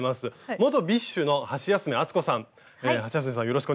元ＢｉＳＨのハシヤスメさん